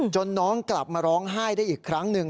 น้องกลับมาร้องไห้ได้อีกครั้งหนึ่ง